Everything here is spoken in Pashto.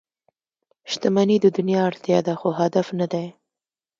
• شتمني د دنیا اړتیا ده، خو هدف نه دی.